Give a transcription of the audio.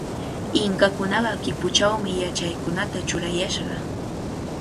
Inkakunaqa kipuchawmi yachanqakunata churayashqa.